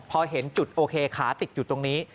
พอเห็นจุดโอเคขาติดอยู่ตรงนี้